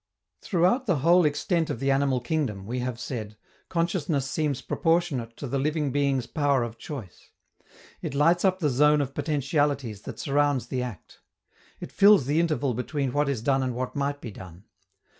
Throughout the whole extent of the animal kingdom, we have said, consciousness seems proportionate to the living being's power of choice. It lights up the zone of potentialities that surrounds the act. It fills the interval between what is done and what might be done.